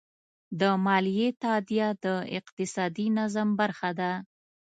د مالیې تادیه د اقتصادي نظم برخه ده.